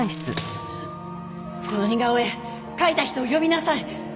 この似顔絵描いた人を呼びなさい！